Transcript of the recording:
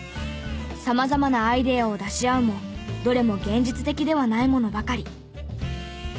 様々なアイデアを出し合うもどれも現実的ではないものばかり。